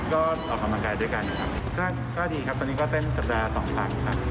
ก็เอาความกำลังกายด้วยกันค่ะก็ดีครับตอนนี้ก็เต้นสัปดาห์สองฝั่งค่ะ